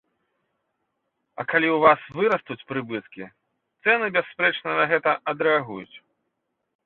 А калі ў вас вырастуць прыбыткі, цэны, бясспрэчна, на гэта адрэагуюць!